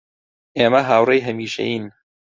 ئێمە هاوڕێی هەمیشەیین